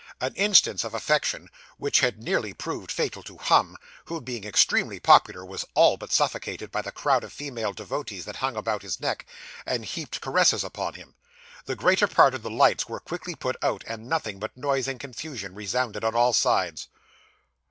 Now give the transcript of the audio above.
An instance of affection, which had nearly proved fatal to Humm, who, being extremely popular, was all but suffocated, by the crowd of female devotees that hung about his neck, and heaped caresses upon him. The greater part of the lights were quickly put out, and nothing but noise and confusion resounded on all sides.